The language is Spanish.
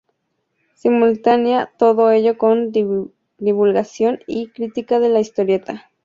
Simultánea todo ello con la divulgación y crítica de la historieta.